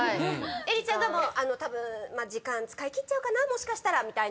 恵里ちゃんがたぶん時間使い切っちゃうかなみたいな。